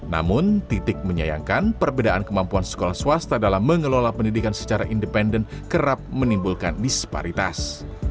namun titik menyayangkan perbedaan kemampuan sekolah swasta dalam mengelola pendidikan secara independen kerap menimbulkan disparitas